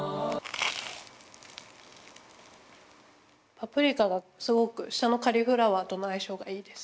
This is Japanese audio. パプリカがすごく下のカリフラワーとのあいしょうがいいです。